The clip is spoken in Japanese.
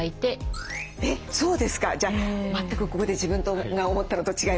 じゃあ全くここで自分が思ったのと違いました。